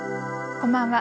こんばんは。